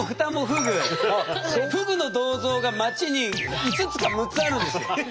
ふぐの銅像が街に５つか６つあるんですよ。